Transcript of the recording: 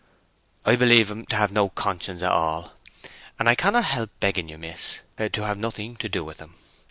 "I believe him to have no conscience at all. And I cannot help begging you, miss, to have nothing to do with him.